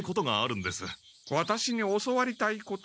ワタシに教わりたいこと？